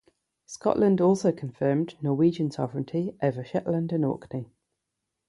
Scotland also confirmed Norwegian sovereignty over Shetland and Orkney.